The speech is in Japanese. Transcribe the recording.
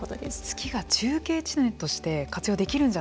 月が中継地点として活用できるんじゃないかという。